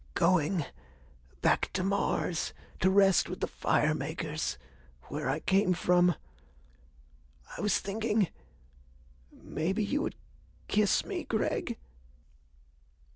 "Going back to Mars to rest with the fire makers where I came from. I was thinking maybe you would kiss me, Gregg